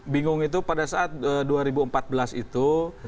bingung itu pada saat dua ribu empat belas itu